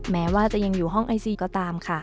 แม้ว่าจะยังอยู่ห้องไอซีก็ตามค่ะ